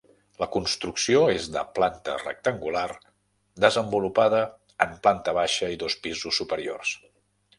La construcció és de planta rectangular desenvolupada en planta baixa i dos pisos superiors.